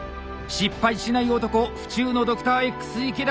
失敗しない男府中のドクターＸ池田。